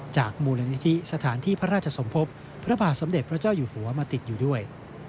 มูลนิธิสถานที่พระราชสมภพพระบาทสมเด็จพระเจ้าอยู่หัวมาติดอยู่ด้วย